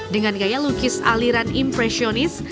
dengan gaya lukis aliran impresionis